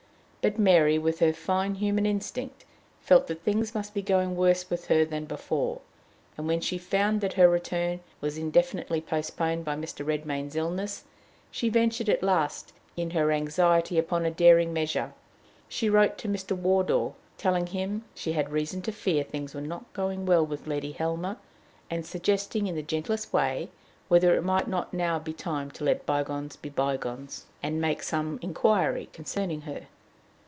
But Mary, with her fine human instinct, felt that things must be going worse with her than before; and, when she found that her return was indefinitely postponed by Mr. Redmain's illness, she ventured at last in her anxiety upon a daring measure: she wrote to Mr. Wardour, telling him she had reason to fear things were not going well with Letty Helmer, and suggesting, in the gentlest way, whether it might not now be time to let bygones be bygones, and make some inquiry concerning her.